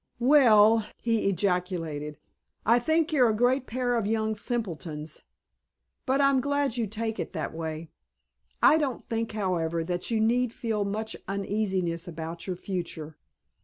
"Well," he ejaculated, "I think you're a great pair of young simpletons, but I'm glad you take it that way. I don't think, however, that you need feel much uneasiness about your future.